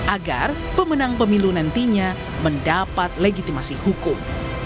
agar pemenang pemilu nantinya mendapat legitimasi hukum